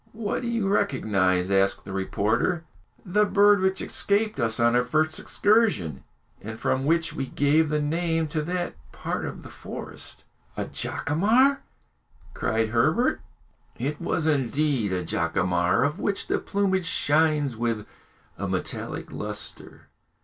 "What do you recognise?" asked the reporter. "The bird which escaped us on our first excursion, and from which we gave the name to that part of the forest." "A jacamar!" cried Herbert. It was indeed a jacamar, of which the plumage shines with a metallic lustre.